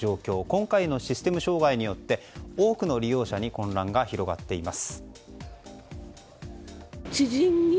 今回のシステム障害によって多くの利用者に混乱が広がっています。